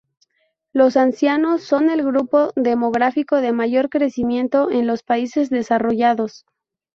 Los ancianos son el grupo demográfico de mayor crecimiento en los países desarrollados.